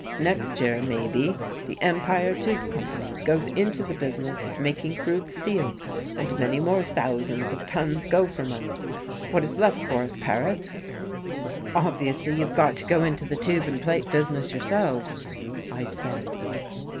Next year, maybe, the Empire Tube Company goes into the business of making crude steel, and many more thousands of tons go from us. What is left for us, Paret?" "Obviously you've got to go into the tube and plate business yourselves," I said.